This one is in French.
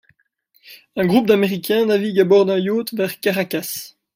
Un groupe d’américain navigue à bord d'un yacht vers Caracas.